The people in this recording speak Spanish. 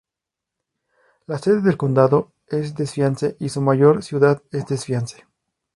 La sede del condado es Defiance, y su mayor ciudad es Defiance.